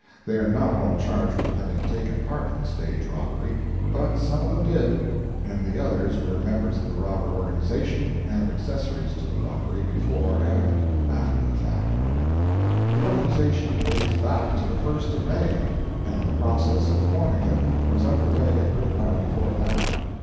They are not all charged with having taken part in the stage robbery, but some of them did, and the others were members of the robber organization, and accessories to the robbery before and after the fact. The organization dates back to the first of May, and the process of forming it was under way a good while before that.